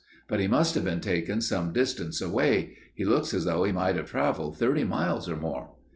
But he must have been taken some distance away. He looks as though he might have traveled thirty miles or more."